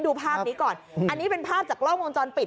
ดูภาพนี้ก่อนอันนี้เป็นภาพจากกล้องวงจรปิด